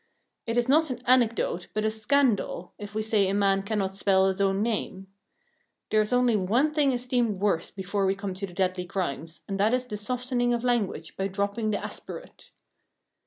It is not an anecdote, but a scandal, if we say a man cannot spell his own name. There is only one thing esteemed worse before we come to the deadly crimes, and that is the softening of language by dropping the aspirate.